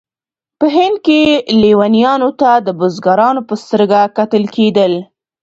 په هند کې لیونیانو ته د بزرګانو په سترګه کتل کېدل.